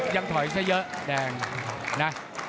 ยังถอยซะเยอะแดงนะ